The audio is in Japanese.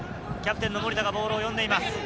キャプテンの森田がボールを呼んでいます。